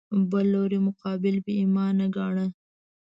بل لوري مقابل بې ایمانه ګاڼه